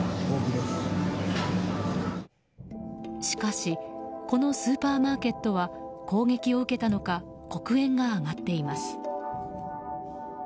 しかしこのスーパーマーケットは攻撃を受けたのか黒煙が上がっています。